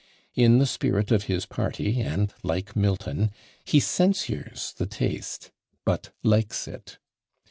In the spirit of his party, and like Milton, he censures the taste, but likes it.